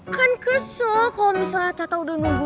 kan kesel kalau misalnya tata udah nunggu